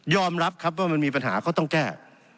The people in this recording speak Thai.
รับครับว่ามันมีปัญหาเขาต้องแก้